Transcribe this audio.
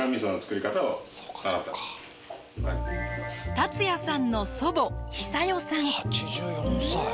達也さんの祖母ヒサヨさん。